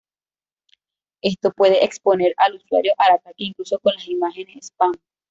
Esto puede exponer al usuario al ataque incluso con las imágenes spam.